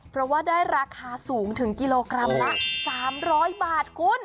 เพราะว่าได้ราคาสูงถึงกิโลกรัมละ๓๐๐บาทคุณ